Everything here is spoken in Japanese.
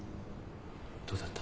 どうだった？